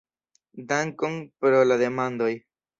Dankon pro la demandoj!